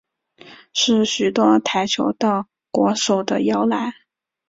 是许多跆拳道国手的摇篮。